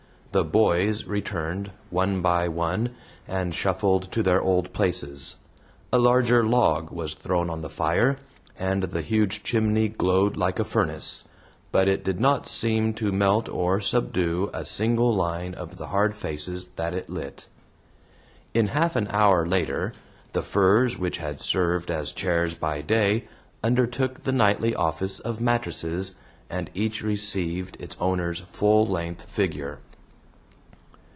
The "boys" returned, one by one, and shuffled to their old places. A larger log was thrown on the fire, and the huge chimney glowed like a furnace, but it did not seem to melt or subdue a single line of the hard faces that it lit. In half an hour later, the furs which had served as chairs by day undertook the nightly office of mattresses, and each received its owner's full length figure.